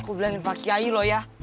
aku bilangin pak kiai loh ya